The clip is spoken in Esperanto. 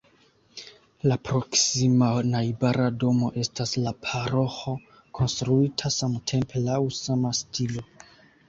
La proksima, najbara domo estas la paroĥo konstruita samtempe laŭ sama stilo.